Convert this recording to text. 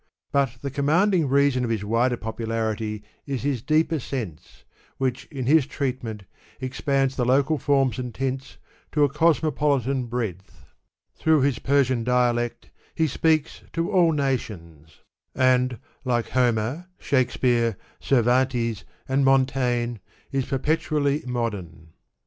But the commanding reason of his wider popularity is his deeper sense, which, in his treatment, expands the local forms and tints to a cosmopolitan breadth. Through his Persian dialect he speaks to all 253 Digitized by Google nation St and, like Homer, Shakespeare, Cen antes, and Montaigne, is perpetually modern."